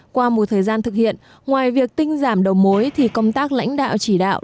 qua một thời gian thực hiện ngoài việc tinh giảm đầu mối thì công tác lãnh đạo chỉ đạo